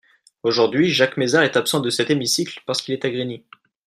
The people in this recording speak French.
Aujourd’hui, Jacques Mézard est absent de cet hémicycle parce qu’il est à Grigny.